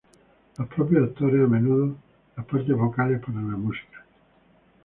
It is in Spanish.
Los propios actores a menudo las partes vocales para la música.